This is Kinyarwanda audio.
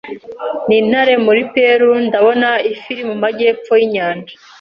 nintare muri PeruNdabona Ifi iri mu majyepfo yinyanja